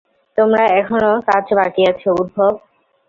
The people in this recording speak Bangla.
তোমার এখনো কাজ বাকি আছে, উদ্ধব।